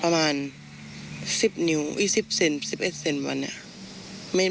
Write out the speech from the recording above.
ไม่เห็นอันเล็มเดี่ยว